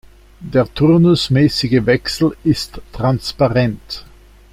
Der turnusmäßige Wechsel ist transparent.